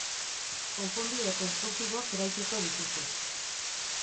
Konponbide konstruktiboak eraikiko dituzu.